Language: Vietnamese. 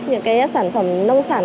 những sản phẩm nông sản